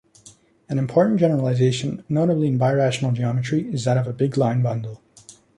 An important generalization, notably in birational geometry, is that of a big line bundle.